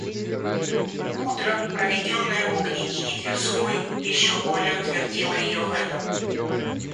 Утро, проведенное у княгини Тверской, еще более утвердило ее в этом.